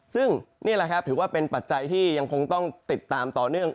ซึ่งนี่แหละครับถือว่าเป็นปัจจัยที่ยังคงต้องติดตามต่อเนื่อง